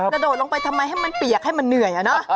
โดดลงไปทำไมให้มันเปียกให้มันเหนื่อย